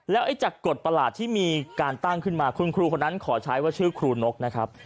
ไอ้จากกฎประหลาดที่มีการตั้งขึ้นมาคุณครูคนนั้นขอใช้ว่าชื่อครูนกนะครับ